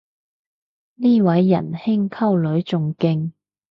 呢位人兄溝女仲勁